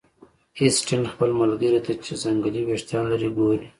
اسټین خپل ملګري ته چې ځنګلي ویښتان لري ګوري